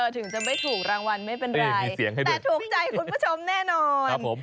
ถึงจะไม่ถูกรางวัลไม่เป็นไรแต่ถูกใจคุณผู้ชมแน่นอน